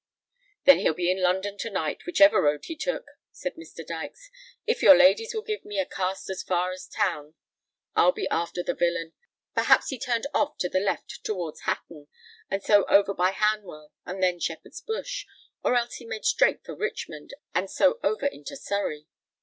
"Then he'll be in London to night, whichever road he took," said Mr. Dykes. "If your ladies will give me a cast as far as town, I'll be after the villain. Perhaps he turned off to the left towards Hatton, and so over by Hanwell and then Shepherd's Bush; or else he made straight for Richmond, and so over into Surrey.